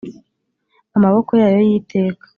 Amaboko yayo y iteka